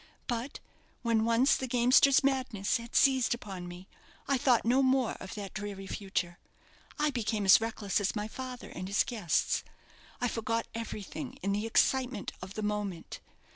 But when once the gamester's madness had seized upon me, I thought no more of that dreary future; I became as reckless as my father and his guests; I forgot everything in the excitement of the moment.